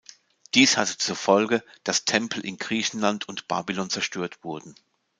Dies hatte zur Folge, dass Tempel in Griechenland und Babylon zerstört wurden.